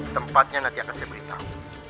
tempatnya nanti akan saya beritahu